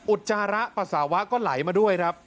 จจาระปัสสาวะก็ไหลมาด้วยครับ